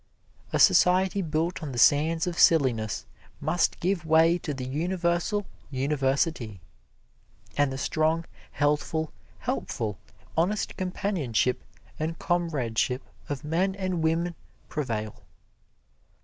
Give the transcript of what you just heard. A society built on the sands of silliness must give way to the universal university, and the strong, healthful, helpful, honest companionship and comradeship of men and women prevail.